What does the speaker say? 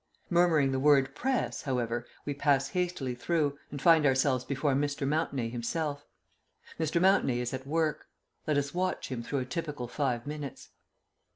Murmuring the word "Press," however, we pass hastily through, and find ourselves before Mr. Mountenay himself. Mr. Mountenay is at work; let us watch him through a typical five minutes.